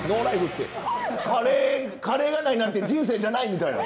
「カレーがないなんて人生じゃない」みたいな。